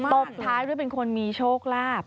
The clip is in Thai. ตบท้ายด้วยเป็นคนมีโชคลาภ